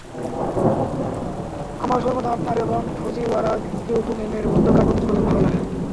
আমার সর্বদা আপনার এবং ফুজিওয়ারা চিয়োকো ম্যামের মধ্যকার কথোপকথন ভালো লাগে।